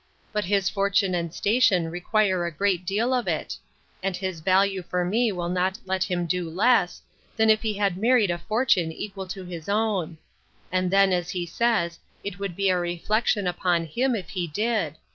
—But his fortune and station require a great deal of it; and his value for me will not let him do less, than if he had married a fortune equal to his own: and then, as he says, it would be a reflection upon him, if he did.